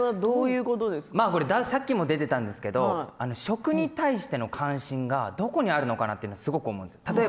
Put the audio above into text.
さっきも出ていましたけれども食に対しての関心がどこにあるのかなすごく思うんです。